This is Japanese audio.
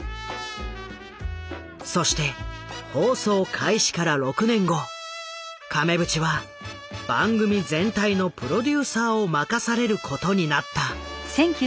そして放送開始から６年後亀渕は番組全体のプロデューサーを任されることになった。